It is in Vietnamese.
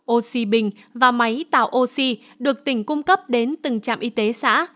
oxy bình và máy tạo oxy được tỉnh cung cấp đến từng trạm y tế xã